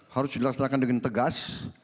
harus dilaksanakan dengan tegas